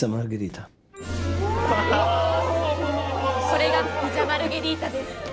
それがピザ・マルゲリータです。